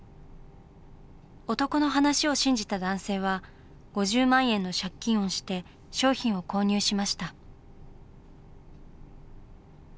男の話を信じた男性は５０万円の借金をして商品を購入しました。